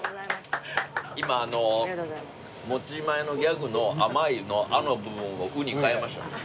今あの持ち前のギャグの「あまい！」の「あ」の部分を「う」に変えました。